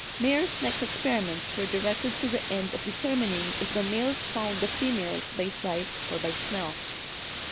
Mayer's next experiments were directed to the end of determining if the males found the females by sight or by smell.